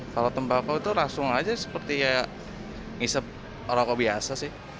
kalau tembako itu langsung aja seperti ngisep orang orang biasa sih